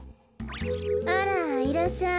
あらいらっしゃい。